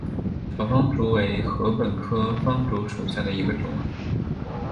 小方竹为禾本科方竹属下的一个种。